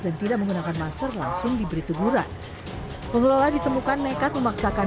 dan tidak menggunakan masker langsung diberi teguran pengelola ditemukan nekat memaksakan